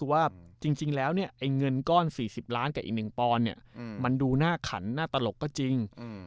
ว่าจริงแล้วเนี่ยไอ้เงินก้อน๔๐ล้านกับอีก๑ปอนด์เนี่ยมันดูหน้าขันหน้าตลกก็จริง